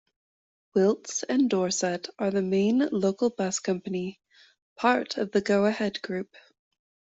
Wilts and Dorset are the main local bus company, part of the Go-Ahead group.